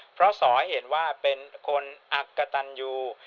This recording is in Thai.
เพราะสอเห็นว่าเป็นคนอักกตัญญู